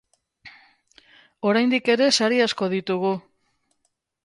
Oraindik ere sari asko ditugu!